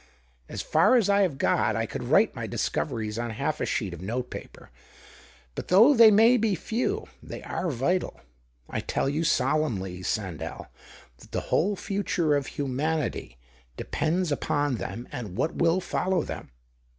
As far as I have got, I could write my discoveries on half a sheet of note paper ; but though they may be few, they are vital. I tell you solemnly, Sandell, that the whole future of humanity depends upon them and what will follow them."